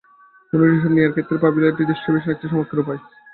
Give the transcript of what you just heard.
কোন ডিসিশন নেয়ার ক্ষেত্রে প্রবাবিলিটি ডিস্ট্রিবিউশন একটি চমৎকার উপায়।